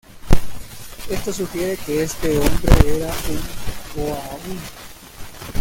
Esto sugiere que este hombre era un Goa'uld.